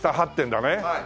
はい。